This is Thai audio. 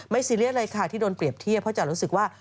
ซีเรียสเลยค่ะที่โดนเปรียบเทียบเพราะจะรู้สึกว่า